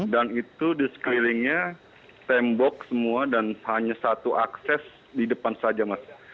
dan itu di sekelilingnya tembok semua dan hanya satu akses di depan saja mas